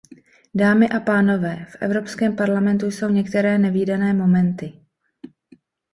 Dámy a pánové, v Evropském parlamentu jsou některé nevídané momenty.